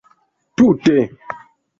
Tute.